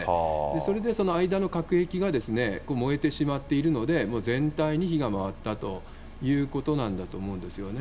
それでその間の隔壁が燃えてしまっているので、もう全体に火が回ったということなんだと思うんですよね。